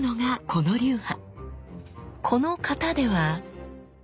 この形では。